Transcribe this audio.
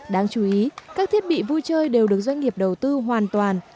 đáng chú ý các thiết bị vui chơi đều được doanh nghiệp đầu tư hoàn toàn